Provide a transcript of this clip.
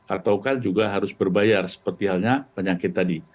atau kan juga harus berbayar seperti halnya penyakit tadi